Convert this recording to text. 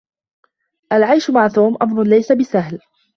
العيش مع توم أمر ليس بسهل.